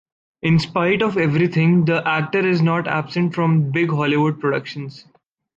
In spite of everything, the actor is not absent from big Hollywood productions.